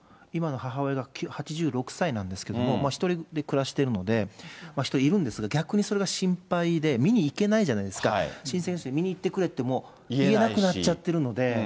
今の母親が８６歳なんですけれども、１人で暮らしてるので、１人でいるんですが、逆にそれが心配で、見に行けないじゃないですか、親戚の人見に行ってくれっていっても、言えなくなっちゃってるので。